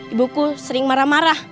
ibuku sering marah marah